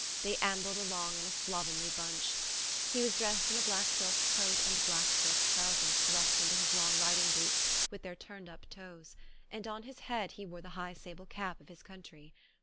They ambled along in a slovenly bunch. He was dressed in a black silk coat and black silk trousers thrust into his, long riding boots with their turned up toes, and on his head he wore the high sable cap of his country.